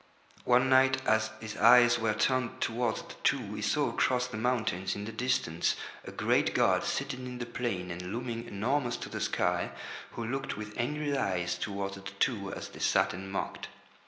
One night as his eyes were turned towards the Two, he saw across the mountains in the distance a great god seated in the plain and looming enormous to the sky, who looked with angry eyes towards the Two as they sat and mocked.